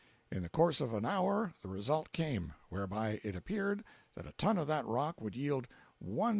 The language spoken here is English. In the course of an hour the result came—whereby it appeared that a ton of that rock would yield $1,184.